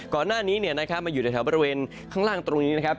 ก่อนหน้านี้มาอยู่ในแถวบริเวณข้างล่างตรงนี้นะครับ